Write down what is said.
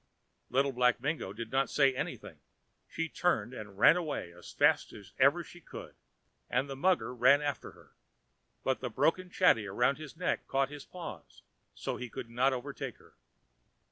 Little Black Mingo did not say anything. She turned and ran away as fast as ever she could, and the mugger ran after her. But the broken chatty round his neck caught his paws, so he could not overtake her.